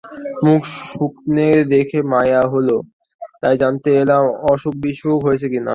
মুখ শুকনে দেখে মায়া হল, তাই জানতে এলাম অসুখবিসুখ হয়েছে না কি।